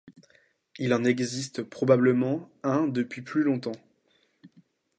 Il en existe probablement un depuis plus longtemps.